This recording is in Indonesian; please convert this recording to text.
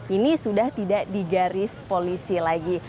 ini sudah tidak digaris polisi lagi